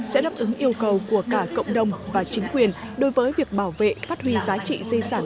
sẽ đáp ứng yêu cầu của cả cộng đồng và chính quyền đối với việc bảo vệ phát huy giá trị di sản